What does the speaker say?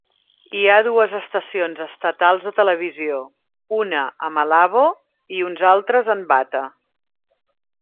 Hi ha dues estacions estatals de televisió, una a Malabo i uns altres en Bata.